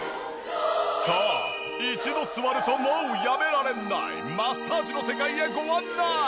さあ一度座るともうやめられないマッサージの世界へご案内！